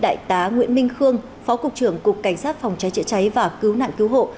đại tá nguyễn minh khương phó cục trưởng cục cảnh sát phòng cháy chữa cháy và cứu nạn cứu hộ